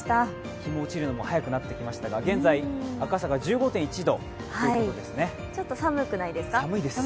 日の落ちるのも早くなってきましたが、現在、赤坂、１５．１度ですね。